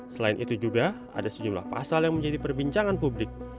selain itu juga ada sejumlah pasal yang menjadi perbincangan publik